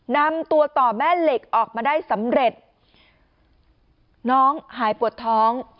นำตัวต่อแม่เหล็กออกมาได้สำเร็จน้องหายปวดท้อง